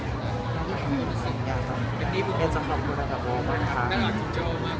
ที่ทำให้ผมได้มีบางอย่างอีกบ้าง